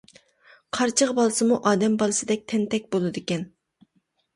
قارچىغا بالىسىمۇ ئادەم بالىسىدەك، تەنتەك بولىدىكەن.